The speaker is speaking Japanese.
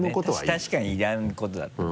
確かにいらんことだった。